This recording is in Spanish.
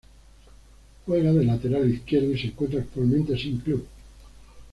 Juega de lateral izquierdo y se encuentra actualmente sin club.